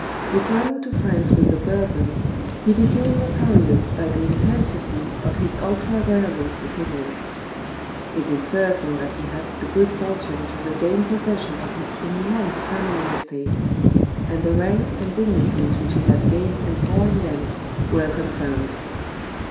Returning to France with the Bourbons, he became notorious by the intensity of his ultra royalist opinions. It is certain that he had the good fortune to regain possession of his immense family estates; and the rank and dignities which he had gained in foreign lands were confirmed.